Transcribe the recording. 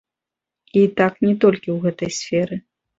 І так не толькі ў гэтай сферы.